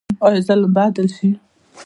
آیا ظلم به عدل شي؟